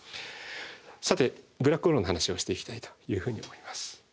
さてブラックホールの話をしていきたいというふうに思います。